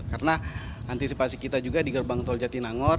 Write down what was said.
karena antisipasi kita juga di gerbang tol jatinangor